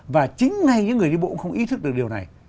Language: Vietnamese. và chính ngay những người đi bộ cũng không ý thức được điều này